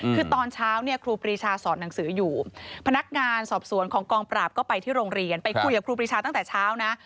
คือตอนเช้าเนี่ยครูปรีชาสอนหนังสืออยู่พนักงานสอบสวนของกองปราบก็ไปที่โรงเรียนไปคุยกับครูปรีชาตั้งแต่เช้านะ